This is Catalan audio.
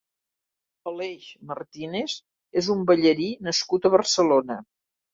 Aleix Martínez és un ballarí nascut a Barcelona.